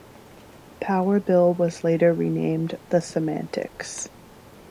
Power Bill was later renamed The Semantics.